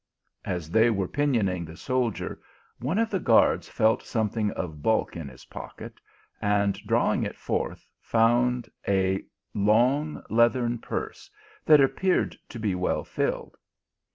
As they were pinioning the soldier, one of the guards felt something of bulk in his pocket, and drawing it forth, found a long leathern purse that appeared to be well filled.